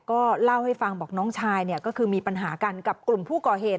ก็เล่าให้ฟังบอกน้องชายเนี่ยก็คือมีปัญหากันกับกลุ่มผู้ก่อเหตุ